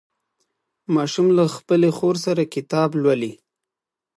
ماشوم له خپلې خور سره کتاب لولي